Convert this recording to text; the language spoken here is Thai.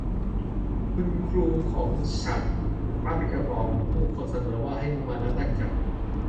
คุณครูของฉันมักจะบอกกับผู้คนเสมอว่า ให้มุมานะตั้งใจ